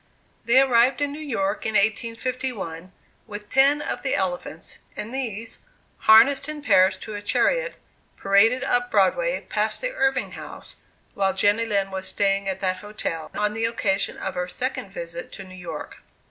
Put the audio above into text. They arrived in New York in 1851 with ten of the elephants, and these, harnessed in pairs to a chariot, paraded up Broadway past the Irving House, while Jenny Lind was staying at that hotel, on the occasion of her second visit to New York.